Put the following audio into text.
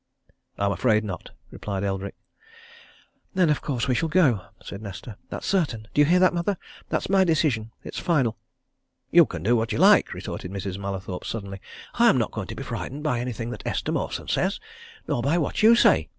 "I'm afraid not," replied Eldrick. "Then of course we shall go," said Nesta. "That's certain! Do you hear that, mother? That's my decision. It's final!" "You can do what you like," retorted Mrs. Mallathorpe sullenly. "I am not going to be frightened by anything that Esther Mawson says. Nor by what you say!"